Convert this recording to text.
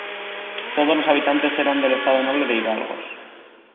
Todos los habitantes eran del estado noble de hidalgos.